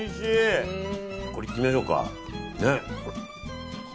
これ、いってみましょうか。